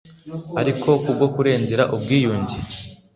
ariko ku bwo kurengera ubwiyunge